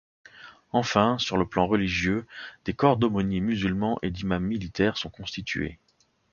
Enfin, sur le plan religieux, des corps d’aumôniers musulmans et d’imams militaires sont constitués.